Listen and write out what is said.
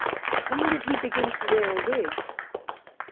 "When did he begin to wear a wig?"